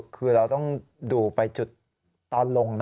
คือเราต้องดูไปจุดตอนลงนะ